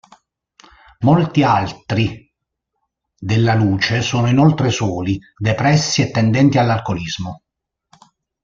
Molti Altri della Luce sono inoltre soli, depressi e tendenti all'alcolismo.